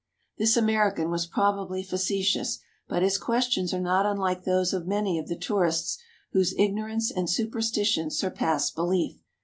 This American was probably facetious, but his ques tions are not unlike those of many of the tourists whose ignorance and superstition surpass belief.